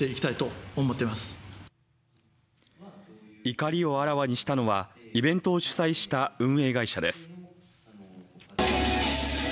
怒りをあらわにしたのはイベントを主催した運営会社です。